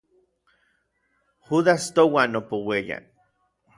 Yudas touan opouiaya.